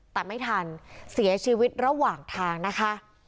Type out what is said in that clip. แต่ไม่ทันเสียชีวิตระหว่างทางนะคะ